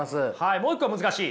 もう一個は難しい。